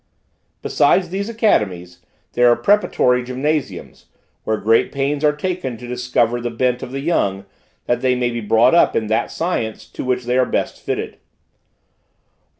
Besides these academies, there are preparatory gymnasiums, where great pains are taken to discover the bent of the young, that they may be brought up in that science to which they are best fitted.